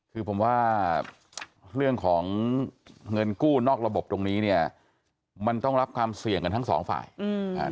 คือผมว่าเรื่องของเงินกู้นอกระบบตรงนี้เนี่ยมันต้องรับความเสี่ยงกันทั้งสองฝ่ายอืมอ่า